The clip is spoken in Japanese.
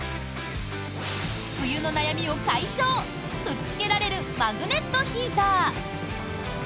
冬の悩みを解消くっつけられるマグネットヒーター。